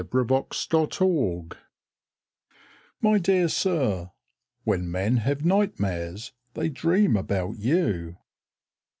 TO THE MOTORIST My dear Sir, When men have nightmares, they dream about you.